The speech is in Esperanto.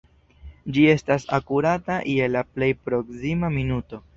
Ĝi estas akurata je la plej proksima minuto.